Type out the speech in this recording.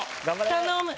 頼む。